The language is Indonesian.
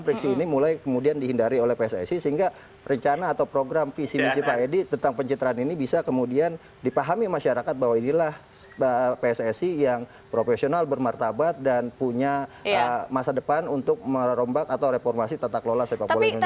friksi ini mulai kemudian dihindari oleh pssi sehingga rencana atau program visi misi pak edi tentang pencitraan ini bisa kemudian dipahami masyarakat bahwa inilah pssi yang profesional bermartabat dan punya masa depan untuk merombak atau reformasi tata kelola sepak bola indonesia